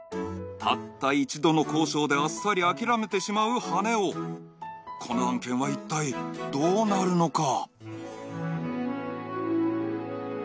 たった一度の交渉であっさり諦めてしまう羽男この案件は一体どうなるのか？